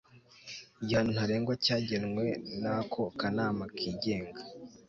igihano ntarengwa cyagenwe n ako kanama kigenga